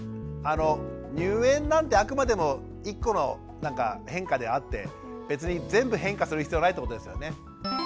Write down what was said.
入園なんてあくまでも１個の変化であって別に全部変化する必要ないってことですよね。